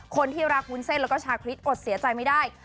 คนที่รักวุ้นเส้นแล้วก็ชาคริสอดเสียใจไม่ได้